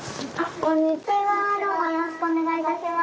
こんにちはどうぞよろしくお願いいたします。